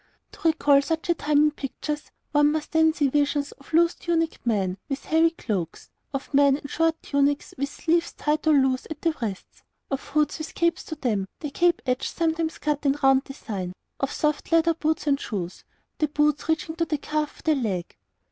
To recall such a time in pictures, one must then see visions of loose tuniced men, with heavy cloaks; of men in short tunics with sleeves tight or loose at the wrists; of hoods with capes to them, the cape edge sometimes cut in a round design; of soft leather boots and shoes, the boots reaching to the calf of the leg.